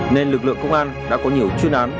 nên lực lượng công an đã có nhiều chuyên án